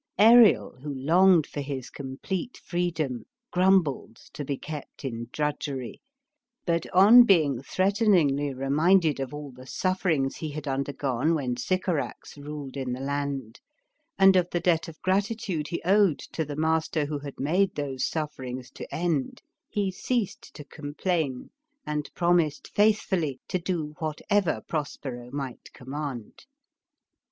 Arielf who longed for his complete freedom, grumbled to be kept in drudgery, but on being threateningly reminded of all the suffer ings he had undergone when Sycorax ruled in the land, and of the debt of gratitude he owed to the master who had made those suf ferings to end, he ceased to complain, and promised faithfully to do whatever Prospero might command.